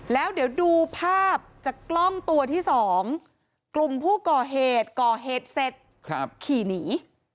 แล้วเดี๋ยวดูภาพจากกล้องตัวที่๒กลุ่มผู้ก่อเหตุก่อเหตุเสร็จขี่หนี